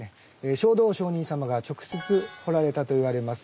勝道上人様が直接彫られたといわれます